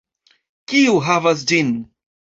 Kiu havas ĝin!